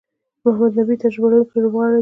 محمد نبي تجربه لرونکی لوبغاړی دئ.